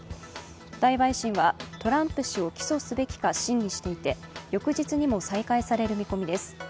大陪審はトランプ氏を起訴すべきか審議していて翌日にも再開される見込みです。